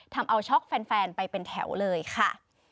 ทำเอาช็อกแฟนไปเป็นแถวเลยค่ะ